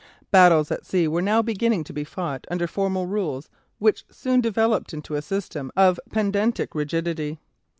Battles at sea were now beginning to be fought under formal rules which soon developed into a system of pedantic rigidity.